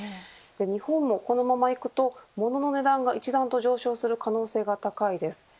日本もこのままいくと物の値段が一段と上昇する可能性が高いです。